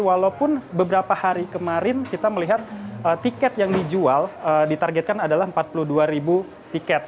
walaupun beberapa hari kemarin kita melihat tiket yang dijual ditargetkan adalah empat puluh dua ribu tiket